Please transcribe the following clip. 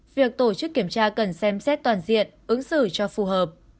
việc tổ chức kiểm tra cần xem xét toàn diện ứng xử cho phù hợp